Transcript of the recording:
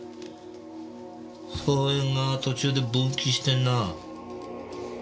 創縁が途中で分岐してんな。